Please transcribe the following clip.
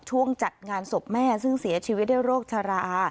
จัดงานศพแม่ซึ่งเสียชีวิตด้วยโรคชรา